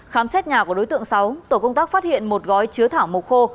khám xét nhà của đối tượng sáu tổ công tác phát hiện một gói chứa thảo mộc khô